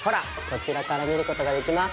こちらから見ることができます。